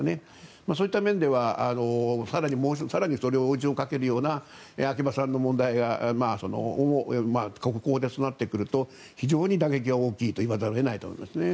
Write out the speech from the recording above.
そういった面では更にそれに追い打ちをかけるような秋葉さんの問題がここまで育ってくると非常に打撃は大きいと言わざるを得ないと思います。